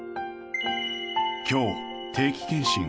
今日、定期健診。